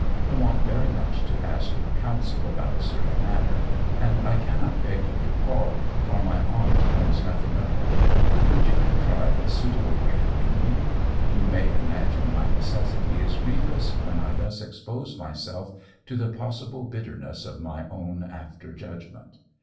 I want very much to ask your counsel upon a certain matter, and I cannot beg you to call, for my aunt knows nothing of it. Could you contrive a suitable way of meeting? You may imagine my necessity is grievous when I thus expose myself to the possible bitterness of my own after judgment.